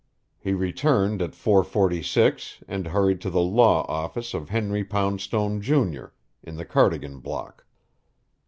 He returned at 4:46 and hurried to the law office of Henry Poundstone, Junior, in the Cardigan Block.